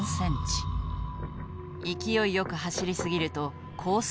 勢いよく走り過ぎるとコース